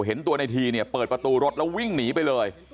เห็นตัวในทีเนี่ยเปิดประตูรถแล้ววิ่งหนีไปเลย